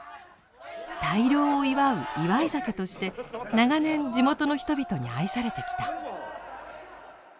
大漁を祝う祝い酒として長年地元の人々に愛されてきた。